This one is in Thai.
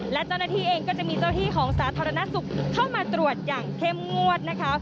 และเจ้าหน้าที่เองก็จะมีเจ้าที่ของสาธารณสุขเข้ามาตรวจอย่างเข้มงวดนะคะ